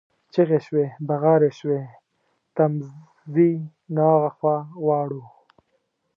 چیغي شوې، بغارې شوې: تمځي نه ها خوا غواړو،